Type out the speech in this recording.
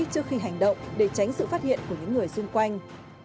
trước khi hành động để tránh sự phát hiện của những người xung quanh